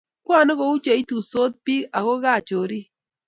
kwoni kou cheituisot biik ako kaa choriik